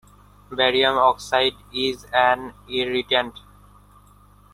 Barium oxide is an irritant.